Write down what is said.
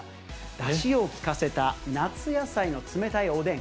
だしを利かせた夏野菜の冷たいおでん。